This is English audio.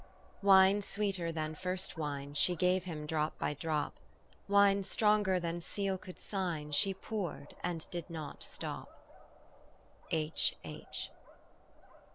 "Wine sweeter than first wine She gave him drop by drop ; "Wine stronger than seal could sign She poured, and did not stop." H. H.